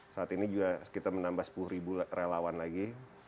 saat ini juga kita menambah sepuluh ribu relawan lagi